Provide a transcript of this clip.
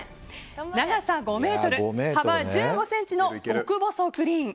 長さ５ｍ、幅１５ｃｍの極細グリーン。